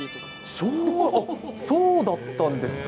おお、そうだったんですか。